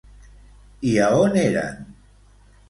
I a on eren?